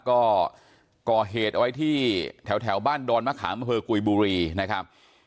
ก็ก่อเหตุเอาไว้ที่แถวบ้านดอนมะขามเภอกุยบุรีนะครับ